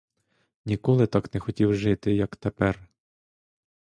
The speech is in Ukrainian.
Ніколи так не хотів жити, як тепер.